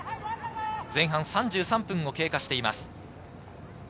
前半３３分を経過しています。